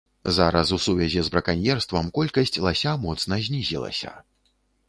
Зараз у сувязі з браканьерствам колькасць лася моцна знізілася.